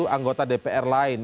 dua puluh tujuh anggota dpr lain